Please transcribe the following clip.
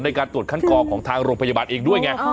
ในการตรวจคัดกรองของทางโรงพยาบาลเองด้วยไง